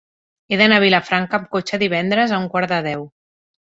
He d'anar a Vilafranca amb cotxe divendres a un quart de deu.